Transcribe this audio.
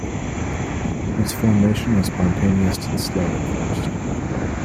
Its formation was spontaneous and slow at first.